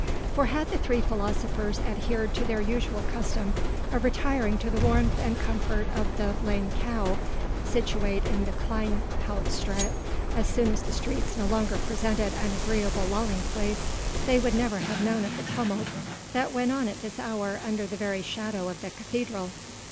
For had the three philosophers adhered to their usual custom of retiring to the warmth and comfort of the "Lame Cow," situate in the Kleine Hout Straat, as soon as the streets no longer presented an agreeable lolling place, they would never have known of the tumult that went on at this hour under the very shadow of the cathedral.